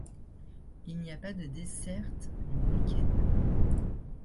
Il n'y a pas de desserte le week-end.